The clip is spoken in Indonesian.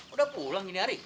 udah pulang gini hari